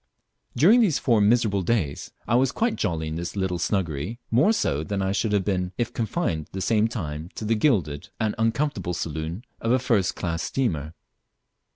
During these four miserable days I was quite jolly in this little snuggery more so than I should have been if confined the same time to the gilded and uncomfortable saloon of a first class steamer.